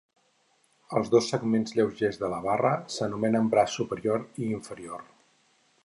Els dos segments lleugers de la barra s'anomenen braç superior i inferior.